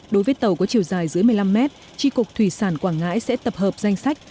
đối với tàu có chiều dài dưới một mươi năm mét tri cục thủy sản quảng ngãi sẽ tập hợp danh sách